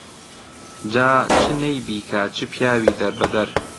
جا چ نەی بیکا چ پیاوی دەربەدەر